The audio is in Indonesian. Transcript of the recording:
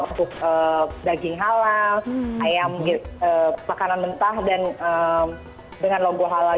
untuk daging halal ayam makanan mentah dan dengan logo halal